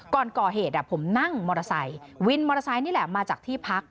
ก่อนก่อเหตุผมนั่งมอเตอร์ไซค์วินมอเตอร์ไซค์นี่แหละมาจากที่พัก